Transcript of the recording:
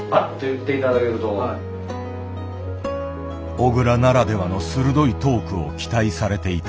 小倉ならではの鋭いトークを期待されていた。